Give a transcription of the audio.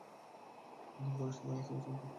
ঘরে সন্তান আসতে চলছে।